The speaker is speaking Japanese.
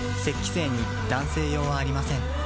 精に男性用はありません